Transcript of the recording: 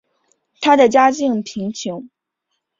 她的家境贫穷。